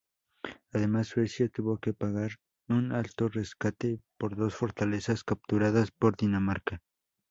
Además, Suecia tuvo que pagar un alto rescate por dos fortalezas capturadas por Dinamarca.